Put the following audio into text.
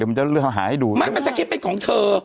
มันจะคิดเป็นของเธอ